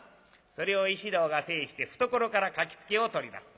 それを石堂が制して懐から書きつけを取り出す。